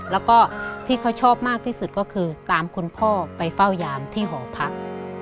แล้วก็ที่เขาชอบมากที่สุดก็คือตามคุณพ่อไปเฝ้ายามที่หอพัก